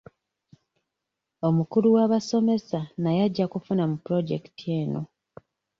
Omukulu w'abasomesa naye ajja kufuna mu pulojekiti eno.